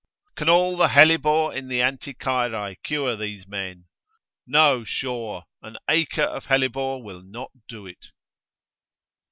Can all the hellebore in the Anticyrae cure these men? No, sure, an acre of hellebore will not do it.